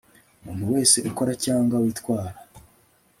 umuntu wese ukora cyangwa witwara